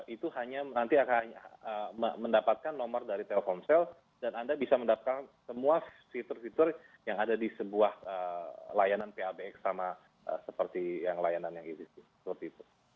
itu hanya nanti akan mendapatkan nomor dari telkomsel dan anda bisa mendapatkan semua fitur fitur yang ada di sebuah layanan pabx sama seperti yang layanan yang isi